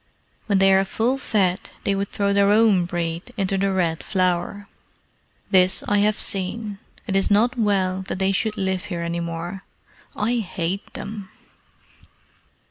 When they are full fed they would throw their own breed into the Red Flower. This I have seen. It is not well that they should live here any more. I hate them!"